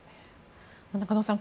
中野さん